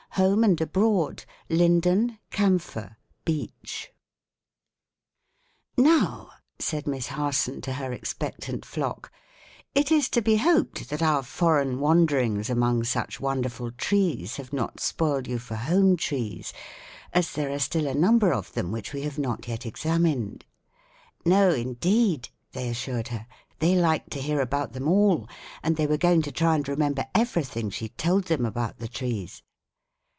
HOME AND ABROAD: LINDEN, CAMPHOR, BEECH. "Now," said Miss Harson to her expectant flock, "it is to be hoped that our foreign wanderings among such wonderful trees have not spoiled you for home trees, as there are still a number of them which we have not yet examined." "No indeed!" they assured her; "they liked to hear about them all, and they were going to try and remember everything she told them about the trees."